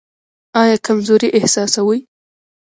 ایا کمزوري احساسوئ؟